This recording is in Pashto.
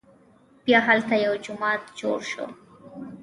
بیا هلته یو جومات جوړ شو.